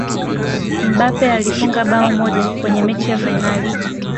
mbappe alifunga bao moja kwenye mechi ya fainali